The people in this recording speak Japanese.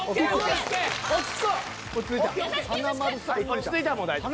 落ち着いたらもう大丈夫。